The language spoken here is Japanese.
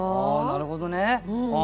なるほどね。